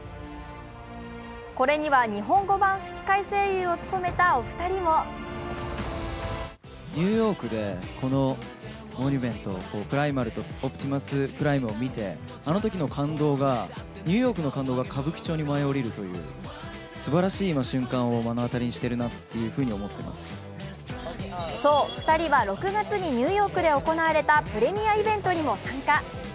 これには日本語版吹き替え声優を務めたお二人もそう、２人は６月にニューヨークで行われたプレミアイベントにも参加。